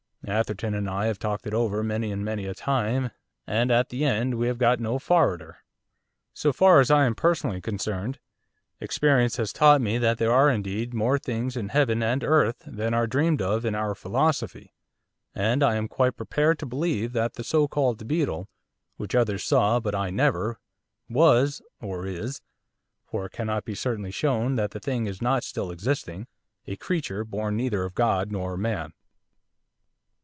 Atherton and I have talked it over many and many a time, and at the end we have got no 'forrarder.' So far as I am personally concerned, experience has taught me that there are indeed more things in heaven and earth than are dreamed of in our philosophy, and I am quite prepared to believe that the so called Beetle, which others saw, but I never, was or is, for it cannot be certainly shown that the Thing is not still existing a creature born neither of God nor man.